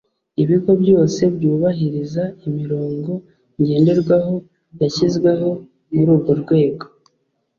ibigo byose byubahiriza imirongo ngenderwaho yashyizweho muri urwo rwego.